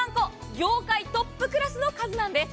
業界トップクラスの数なんです。